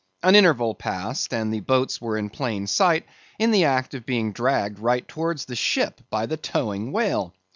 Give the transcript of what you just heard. An interval passed and the boats were in plain sight, in the act of being dragged right towards the ship by the towing whale.